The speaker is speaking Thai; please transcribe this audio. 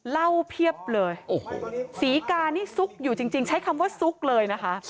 เพียบเลยโอ้โหศรีกานี่ซุกอยู่จริงใช้คำว่าซุกเลยนะคะ